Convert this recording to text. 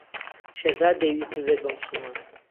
شێرزاد دەیویست ببێت بە موسڵمان.